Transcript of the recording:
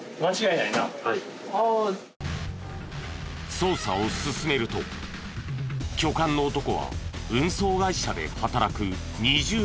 捜査を進めると巨漢の男は運送会社で働く２０代と判明。